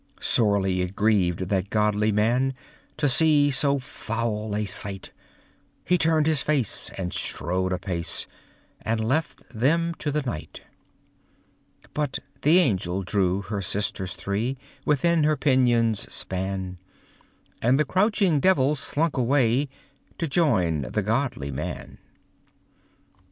Sorely it grieved that godly man, To see so foul a sight, He turned his face, and strode apace, And left them to the night. But the angel drew her sisters three, Within her pinions' span, And the crouching devil slunk away To join the godly man.